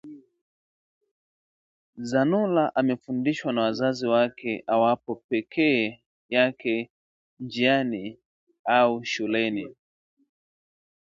Zanura amefundishwa na wazazi wake awapo pekee yake njiani au shuleni